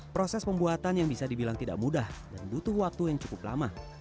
proses pembuatan yang bisa dibilang tidak mudah dan butuh waktu yang cukup lama